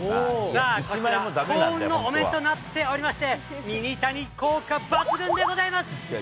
さあ、こちら、幸運のお面となっておりまして、ミニタニ効果抜群でございます。